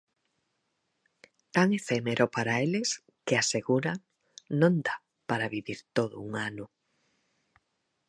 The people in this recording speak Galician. Tan efémero para eles que, aseguran, non dá para vivir todo un ano.